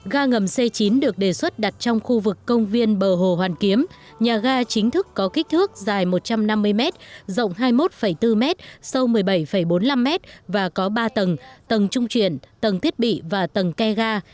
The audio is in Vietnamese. ga ngầm c chín được đề xuất đặt trong khu vực công viên bờ hồ hoàn kiếm nhà ga chính thức có kích thước dài một trăm năm mươi m rộng hai mươi một bốn m sâu một mươi bảy bốn mươi năm m và có ba tầng tầng trung chuyển tầng thiết bị và tầng ke